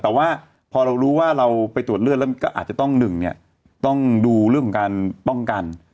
แต่ว่าพอเรารู้ว่าเราไปตรวจเลือดก็อาจจะต้อง๑ต้องดูเรื่องของการป้องกัน